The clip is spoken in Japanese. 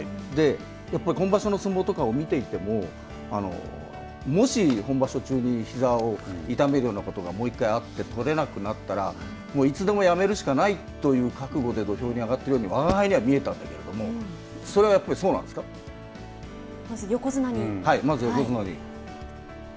やっぱり今場所の相撲とかを見ていてももし、本場所中にひざを痛めるようなことがもう１回あって取れなくなったらいつでもやめるしかないという覚悟で土俵に上がってるようにわがはいには見えたんだけれどもまず、横綱に。